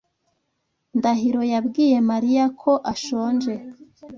Ndahiro yabwiye Mariya ko ashonje.